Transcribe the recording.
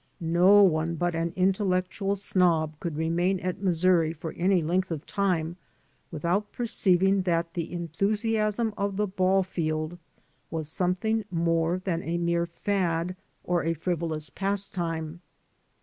No one but an intellectual snob could remain at Missouri for any length of time without perceiving that the enthusiasm of the ball field was something more than a mere fad or a frivolous pastime.